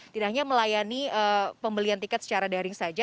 tidak hanya melayani pembelian tiket secara daring saja